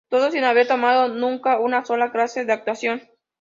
Todo sin haber tomado nunca una sola clase de actuación.